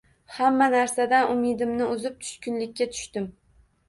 Hamma narsadan umidimni uzib, tushkunlikka tushdim.